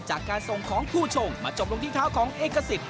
จากการส่งของผู้ชมมาจบลงที่เท้าของเอกสิทธิ